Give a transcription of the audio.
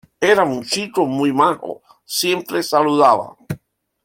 Era un chico muy majo, siempre saludaba.